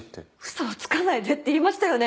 嘘はつかないでって言いましたよね？